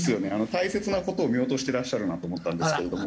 大切な事を見落としてらっしゃるなと思ったんですけれども。